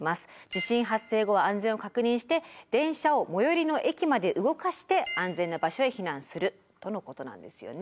地震発生後は安全を確認して電車を最寄りの駅まで動かして安全な場所へ避難するとのことなんですよね。